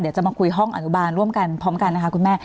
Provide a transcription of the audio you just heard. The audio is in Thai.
จะมาคุยห้องอนุบาลร่วมกันพร้อมกันนะคะคุณแม่